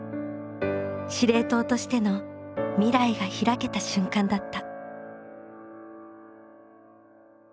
司令塔としての未来が開けた瞬間だった。